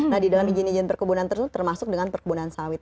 nah di dalam izin izin perkebunan tersebut termasuk dengan perkebunan sawit